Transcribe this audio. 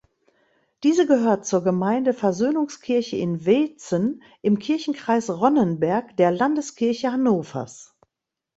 Diese gehört zur Gemeinde Versöhnungskirche in Weetzen im Kirchenkreis Ronnenberg der Landeskirche Hannovers.